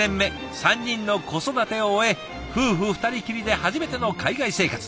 ３人の子育てを終え夫婦２人きりで初めての海外生活。